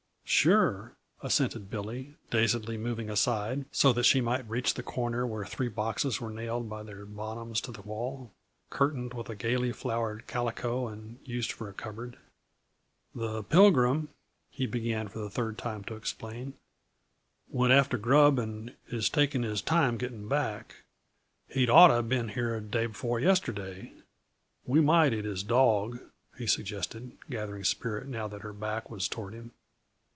"Sure," assented Billy, dazedly moving aside so that she might reach the corner where three boxes were nailed by their bottoms to the wall, curtained with gayly flowered calico and used for a cupboard. "The Pilgrim," he began for the third time to explain, "went after grub and is taking his time about getting back. He'd oughta been here day before yesterday. We might eat his dawg," he suggested, gathering spirit now that her back was toward him.